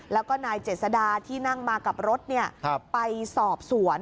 แล้วก็นายเจษดาที่นั่งมากับรถไปสอบสวน